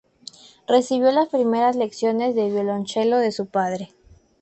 Recibió las primeras lecciones de violonchelo de su padre.